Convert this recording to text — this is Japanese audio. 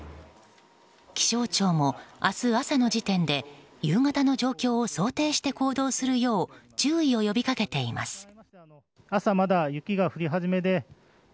気象庁も明日朝の時点で夕方の状況を想定して行動するよう注意を呼びかけています。